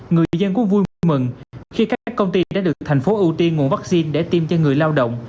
người dân cũng vui mừng khi các công ty đã được tp hcm nguồn vaccine để tiêm cho người lao động